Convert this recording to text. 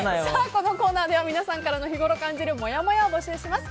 このコーナーでは皆さんからの日ごろ感じるもやもやを募集しています。